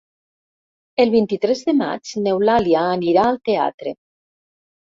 El vint-i-tres de maig n'Eulàlia anirà al teatre.